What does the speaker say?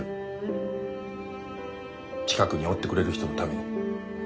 近くにおってくれる人のために。